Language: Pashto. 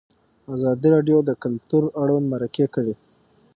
ازادي راډیو د کلتور اړوند مرکې کړي.